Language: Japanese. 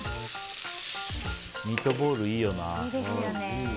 ミートボール、いいよな。